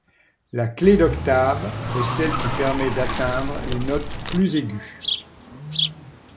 La clé d’octave est celle qui permet d’atteindre les notes plus aiguës.